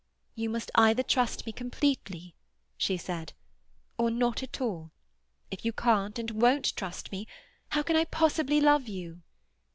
"You must either trust me completely," she said, "or not at all. If you can't and won't trust me, how can I possibly love you?"